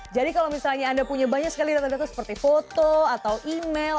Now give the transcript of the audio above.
jadi kalau misalnya anda punya banyak sekali data data seperti foto atau email